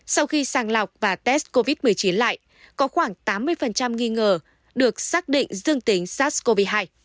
sau khi sàng lọc và test covid một mươi chín lại có khoảng tám mươi nghi ngờ được xác định dương tính sars cov hai